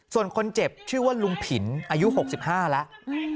ส่วนคนเจ็บชื่อว่าลุงผินอายุหกสิบห้าแล้วอืม